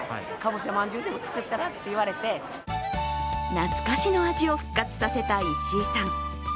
懐かしの味を復活させた石井さん。